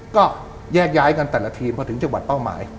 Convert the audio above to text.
ก็แยกย้ายกันแต่ละทีมพอถึงจังหวัดเป้าหมาย